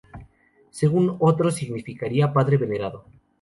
Según otros significaría ‘padre venerado’.